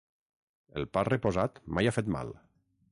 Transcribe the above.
El pa reposat mai ha fet mal.